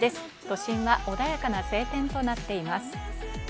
都心は穏やかな晴天となっています。